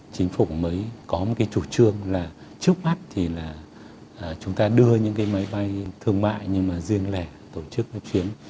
chính phủ mới có một cái chủ trương là trước mắt thì là chúng ta đưa những cái máy bay thương mại nhưng mà riêng lẻ tổ chức cái chuyến